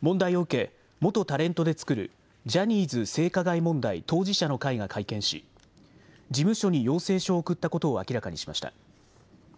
問題を受け、元タレントで作るジャニーズ性加害問題当事者の会が会見し、事務所に要請書を送ったことを明らかにしました。